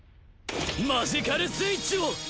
マジカル・スイッチを！